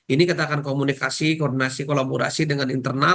ini kita akan komunikasi koordinasi kolaborasi dengan internal